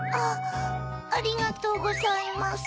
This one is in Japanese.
ありがとうございます。